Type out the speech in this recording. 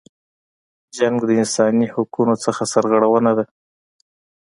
جنګ د انسانی حقونو څخه سرغړونه ده.